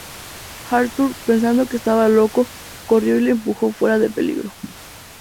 Arthur, pensando que estaba loco corrió y le empujó fuera de peligro.